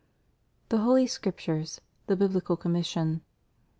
THE HOLY SCRIPTURES; THE BIBLICAL COMMISSION.